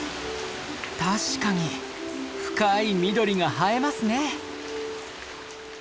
確かに深い緑が映えますね。